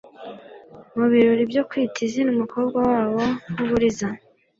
mu birori byo kwita izina umukobwa wabo w'uburiza.